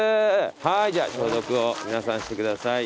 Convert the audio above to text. はいじゃあ消毒を皆さんしてください。